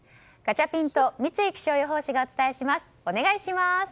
ガチャピンと三井気象予報士がお伝えします、お願いします。